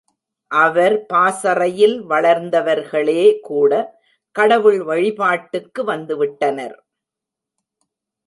அவர் பாசறையில் வளர்ந்தவர்களேகூட கடவுள் வழிபாட்டுக்கு வந்துவிட்டனர்.